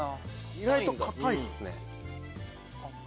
意外と硬いっすね。